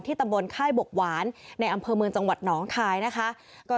ตำบลค่ายบกหวานในอำเภอเมืองจังหวัดหนองคายนะคะ